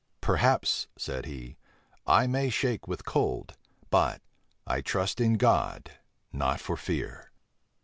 "Perhaps," said he, "I may shake with cold; but, I trust in God, not for fear."